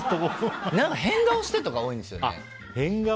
変顔してとかが多いんですよね。